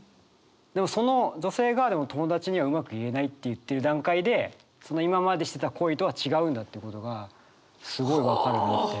でもその女性が「友達にはうまく言えない」って言ってる段階で今までしてた恋とは違うんだっていうことがすごい分かるなって。